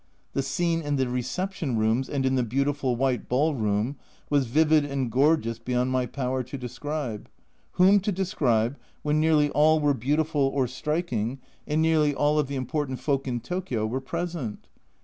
The scene in the reception rooms and in the beautiful white ball room was vivid and gorgeous beyond my power to describe. Whom to describe, when nearly all were beautiful or striking, and nearly all of the n8 A Journal from Japan important folk in Tokio were present?